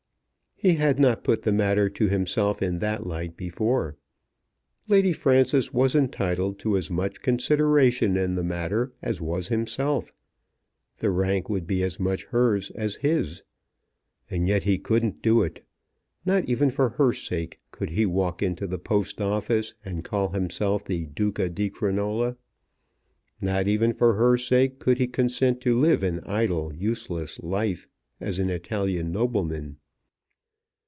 He had not put the matter to himself in that light before. Lady Frances was entitled to as much consideration in the matter as was himself. The rank would be as much hers as his. And yet he couldn't do it. Not even for her sake could he walk into the Post Office and call himself the Duca di Crinola. Not even for her sake could he consent to live an idle, useless life as an Italian nobleman.